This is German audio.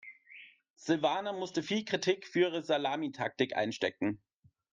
Silvana musste viel Kritik für ihre Salamitaktik einstecken.